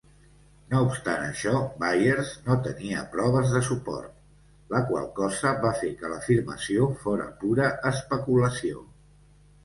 No obstant això, Byers no tenia proves de suport, la qual cosa va fer que l'afirmació fora pura especulació.